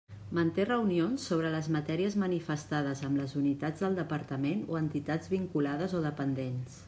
Manté reunions sobre les matèries manifestades amb les unitats del Departament o entitats vinculades o dependents.